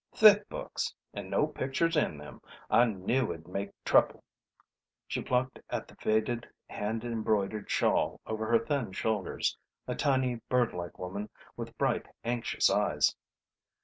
"Thick books, and no pictures in them. I knew it'd make trouble." She plucked at the faded hand embroidered shawl over her thin shoulders, a tiny bird like woman with bright anxious eyes.